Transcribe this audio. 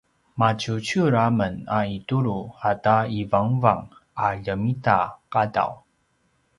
maciuciur a men a itulu ata ivangavang a ljemita qadaw